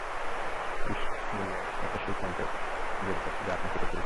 ঈস বললেনঃ এতো সেই খাদ্য যা আপনি খেতে চেয়েছিলেন।